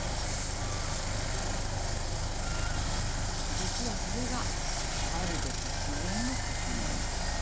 実はそれがあるべき自然の呼吸なんだ。